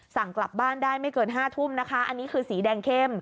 สั่งกลับบ้านได้ไม่เกิน๕ทุ่มนะคะอันนี้คือสีแดงเข้ม